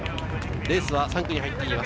レースは３区に入っています。